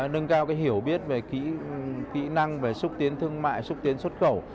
nâng cao hiểu biết về kỹ năng về xúc tiến thương mại xúc tiến xuất khẩu